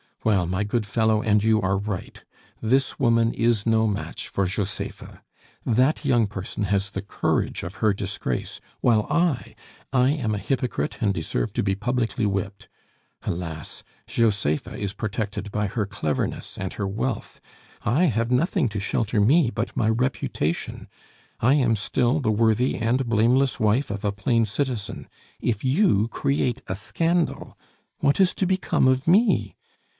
Well, my good fellow, and you are right. This woman is no match for Josepha. That young person has the courage of her disgrace, while I I am a hypocrite, and deserve to be publicly whipped. Alas! Josepha is protected by her cleverness and her wealth. I have nothing to shelter me but my reputation; I am still the worthy and blameless wife of a plain citizen; if you create a scandal, what is to become of me?